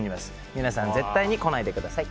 皆さん、絶対に来ないでください。